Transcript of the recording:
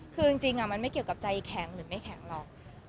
คือจริงมันไม่เกี่ยวกับใจแข็งหรือไม่แข็งหรอก